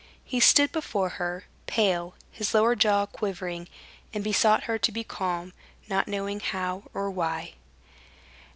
He stood before her, pale, his lower jaw quivering, and besought her to be calm, not knowing how or why.